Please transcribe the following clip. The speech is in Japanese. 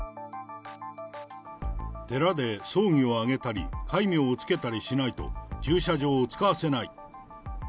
寺で葬儀をあげたり、戒名をつけたりしないと、駐車場を使わせない。